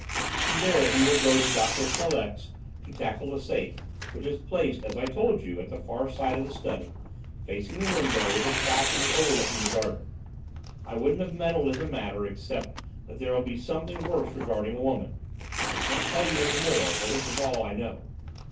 From there he will go to Doctor Chaleck's to tackle the safe, which is placed, as I told you, at the far side of the study, facing the window, with its balcony overlooking the garden. I wouldn't have meddled in the matter except that there'll be something worse regarding a woman. I can't tell you any more, for this is all I know.